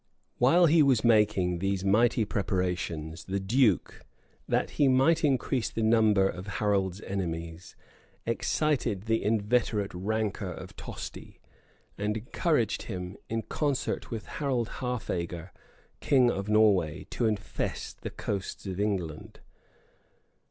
] While he was making these mighty preparations, the duke, that he might increase the number of Harold's enemies, excited the inveterate rancor of Tosti, and encouraged him, in concert with Harold Halfager, king of Norway, to infest the coasts of England.